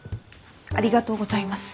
ありがとうございます。